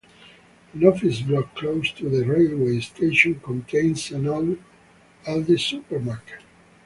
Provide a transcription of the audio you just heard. An office block close to the railway station contains an Aldi supermarket.